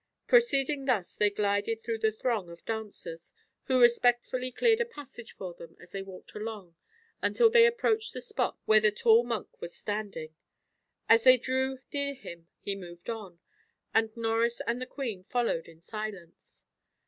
Proceeding thus they glided through the throng of dancers, who respectfully cleared a passage for them as they walked along until they approached the spot where the tall monk was standing. As they drew near him he moved on, and Norris and the queen followed in silence.